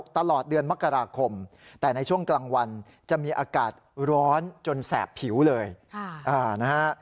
ตลอดเดือนมกราคมแต่ในช่วงกลางวันจะมีอากาศร้อนจนแสบผิวเลยนะฮะ